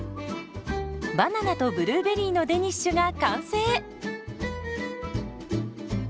バナナとブルーベリーのデニッシュが完成。